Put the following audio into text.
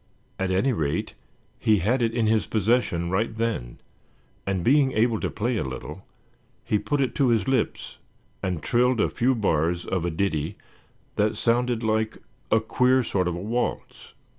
At any rate he had it in his possession right then, and being able to play a little, he put it to his lips and trilled a few bars of a ditty that sounded like a queer sort of a waltz.